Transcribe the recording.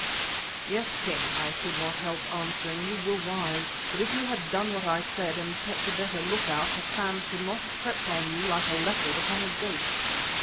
"Yes, King," I could not help answering, "you were wise. But if you had done what I said and kept a better look out Hassan could not have crept on you like a leopard on a goat."